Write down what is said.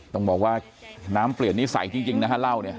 ต้องบอกว่าน้ำเปลี่ยนนิสัยจริงนะฮะเหล้าเนี่ย